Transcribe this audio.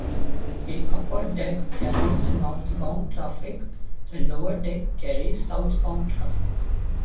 The upper deck carries northbound traffic; the lower deck carries southbound traffic.